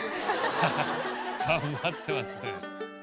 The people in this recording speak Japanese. ハハっ頑張ってますね。